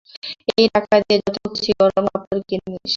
এই টাকা দিয়ে যত খুশি গরম কাপড় কিনে নিস।